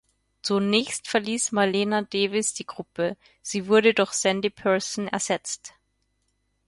Zunächst verließ Marlena Davis die Gruppe, sie wurde durch Sandy Person ersetzt.